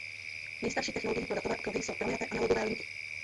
Nejstarší technologií pro datové okruhy jsou pronajaté analogové linky.